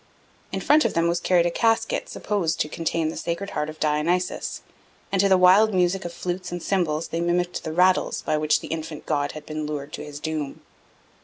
In front of them was carried a casket supposed to contain the sacred heart of Dionysus, and to the wild music of flutes and cymbals they mimicked the rattles by which the infant god had been lured to his doom.